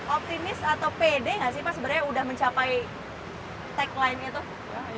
optimis atau pede nggak sih pak sebenarnya udah mencapai tagline itu